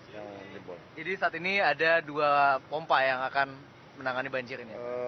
jadi saat ini ada dua pompa yang akan menangani banjir ini